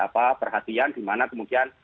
perhatian dimana kemudian